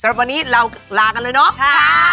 สำหรับวันนี้ลากันครับ